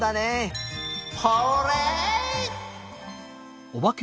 ホーレイ！